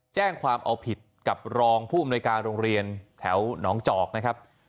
แจ้งความเอาผิดกับรองผู้อำนวยการโรงเรียนแถวหนองจอกนะครับ